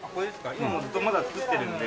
今もずっとまだ作ってるので。